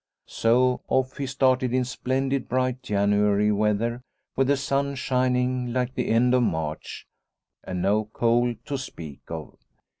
So off he started in splendid bright January weather with the sun shining like the end of March and no cold to speak of.